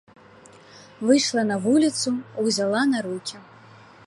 Выйшла на вуліцу, узяла на рукі.